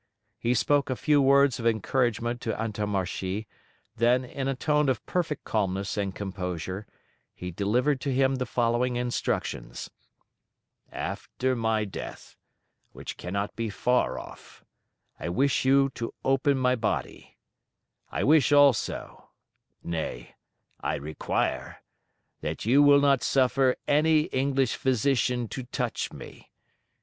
He spoke a few words of encouragement to Antommarchi; then in a tone of perfect calmness and composure he delivered to him the following instructions: "After my death, which cannot be far off, I wish you to open my body: I wish also, nay, I require, that you will not suffer any English physician to touch me.